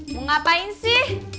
mau ngapain sih